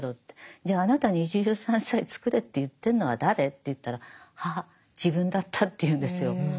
じゃああなたに一汁三菜作れって言ってんのは誰？って言ったらあ自分だったって言うんですよ。